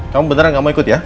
kamu beneran gak mau ikut ya